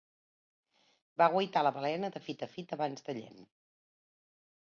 Va guaitar la balena de fit a fit abans de llen